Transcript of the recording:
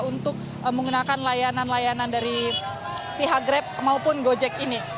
untuk menggunakan layanan layanan dari pihak grab maupun gojek ini